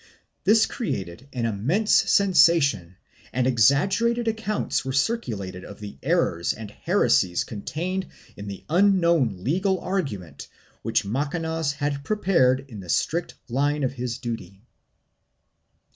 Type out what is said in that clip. This created an immense sensation and exaggerated accounts were circulated of the errors and heresies contained in the unknown legal argu ment which Macanaz had prepared in the strict line of his duty.